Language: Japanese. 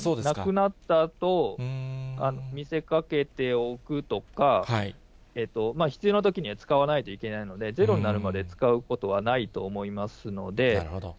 なくなったと見せかけておくとか、必要なときには使わないといけないので、ゼロになるまで使うことはないと思いますので。